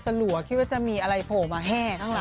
หลัวคิดว่าจะมีอะไรโผล่มาแห้เข้ามา